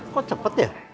kok cepet ya